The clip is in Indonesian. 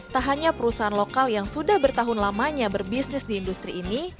tak hanya perusahaan lokal yang sudah bertahun lamanya berbisnis di industri ini